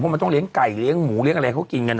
มันต้องเลี้ยงไก่เลี้ยงหมูเลี้ยอะไรเขากินกัน